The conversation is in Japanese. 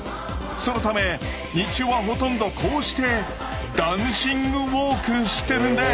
そのため日中はほとんどこうしてダンシングウォークしてるんです。